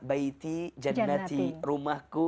bayiti janati rumahku